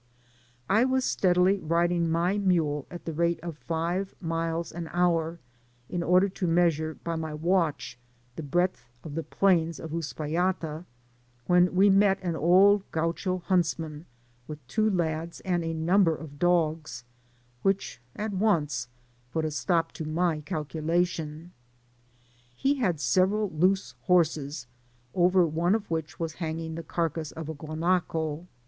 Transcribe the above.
I was steadily riding my mule at the rate of five miles an hour, in order to measure by my watch the breadth of the plains of Uspallata, when we met an old Gaucho huntsman, with two lads, and a number of dogs, which at once put a stop to my calculation. He had several loose horses, over one of which was hanging the carcass of a guanaco.